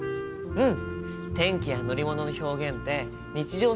うん。